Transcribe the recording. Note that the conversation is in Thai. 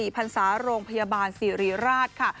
๘๔พันธุ์ศาลงพยาบาลสีรีราชค่ะ